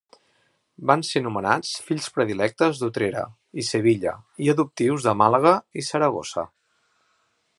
Van ser nomenats fills predilectes d'Utrera i Sevilla i adoptius de Màlaga i Saragossa.